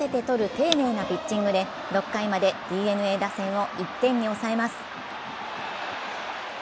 丁寧なピッチングで６回までＤｅＮＡ打線を１点に抑えます。